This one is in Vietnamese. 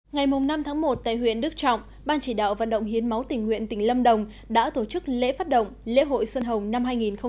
ngày năm tháng một tại huyện đức trọng ban chỉ đạo vận động hiến máu tỉnh nguyện tỉnh lâm đồng đã tổ chức lễ phát động lễ hội xuân hồng năm hai nghìn hai mươi